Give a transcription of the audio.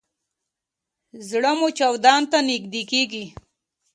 زړه مو چاودون ته نږدې کیږي